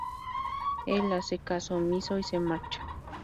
Él hace caso omiso y se marcha.